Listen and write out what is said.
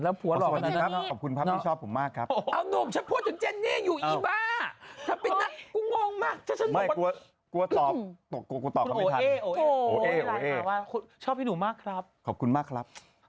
แล้วเขาก็ออกกำลังกายทุกเช้าอ่ะ